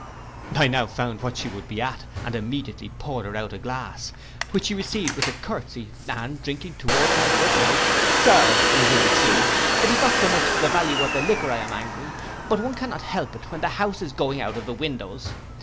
I now found what she would be at, and immediately poured her out a glass, which she received with a curtesy, and drinking towards my good health, 'Sir,' resumed she, 'it is not so much for the value of the liquor I am angry, but one cannot help it, when the house is going out of the windows.